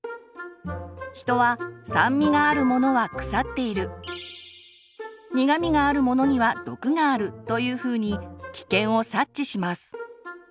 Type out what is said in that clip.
人は酸味があるものは腐っている苦味があるものには毒があるというふうに危険を察知します。